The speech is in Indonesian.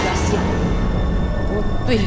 gak siang putih